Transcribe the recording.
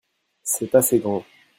c'est assez grand.